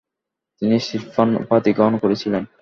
তিনি সির্পান উপাধি গ্রহণ করেছিলেন।